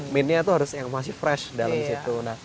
mintnya itu harus yang masih fresh dalam situ